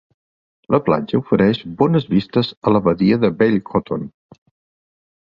La platja ofereix bones vistes a la badia de Ballycotton.